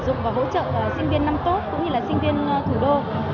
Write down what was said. cũng như là sinh viên thủ đô